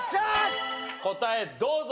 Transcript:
答えどうぞ。